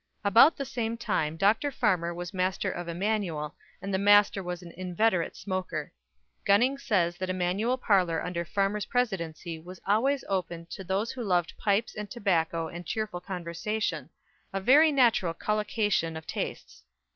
About the same time Dr. Farmer was Master of Emmanuel and the Master was an inveterate smoker. Gunning says that Emmanuel parlour under Farmer's presidency was always open to those who loved pipes and tobacco and cheerful conversation a very natural collocation of tastes.